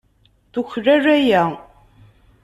Tuklal aya.